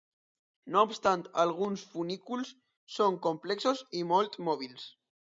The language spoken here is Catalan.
No obstant, alguns funículs són complexos i molt mòbils.